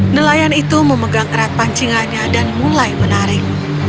nelayan itu memegang erat pancingannya dan mulai menarik